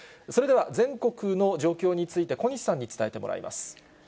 それでは全国の状況について、小西さんに伝えてもらいます。